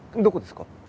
どこですか？